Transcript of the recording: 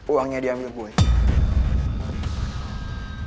uangnya dia ambil buat